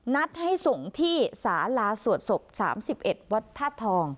นัดให้ส่งที่ศาลาสวดศบสามสิบเอ็ดวัดธาตุทอง